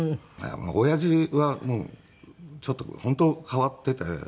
親父はちょっと本当変わっていて。